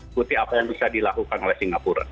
ikuti apa yang bisa dilakukan oleh singapura